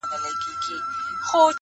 امتحان لره راغلی کوه کن د زمانې یم,